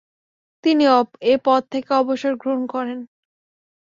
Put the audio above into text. তিনি এ পদ থেকে অবসর গ্রহণ করেন।